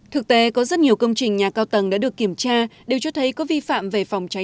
thực tế có rất nhiều công trình nhà cao tầng đã được kiểm tra đều cho thấy có vi phạm về phòng cháy